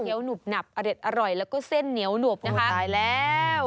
เกี๊ยวหนุบหนับอริดอร่อยแล้วก็เส้นเหนียวหนวบโอ้โฮตายแล้ว